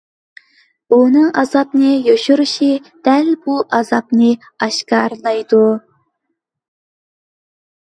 ئۇنىڭ ئازابىنىڭ يوشۇرۇلۇشى دەل بۇ ئازابنى ئاشكارىلايدۇ.